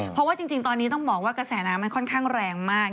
เพราะว่าจริงตอนนี้ต้องบอกว่ากระแสน้ำมันค่อนข้างแรงมาก